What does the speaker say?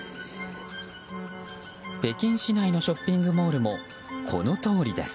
北京市内のショッピングモールもこのとおりです。